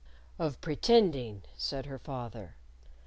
"Of pretending," said her father.